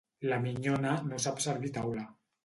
La minyona no sap servir a taula.